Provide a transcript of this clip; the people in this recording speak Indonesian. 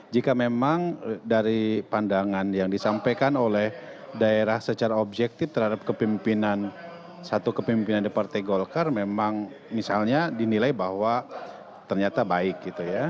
jika memang dari pandangan yang disampaikan oleh daerah secara objektif terhadap kepimpinan satu kepimpinan di partai golkar memang misalnya dinilai bahwa ternyata baik gitu ya